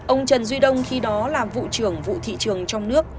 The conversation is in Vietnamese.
ông trần duy đông khi đó làm vụ trưởng vụ thị trường trong nước